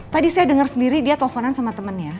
tadi saya denger sendiri dia telfonan sama temennya